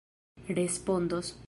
respondos